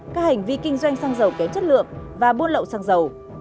các hành vi kinh doanh xăng dầu kém chất lượng và buôn lậu xăng dầu